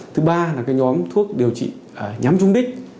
thứ ba là nhóm thuốc điều trị nhắm chung đích